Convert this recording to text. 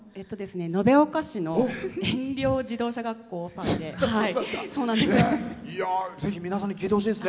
延岡市の自動車学校さんで。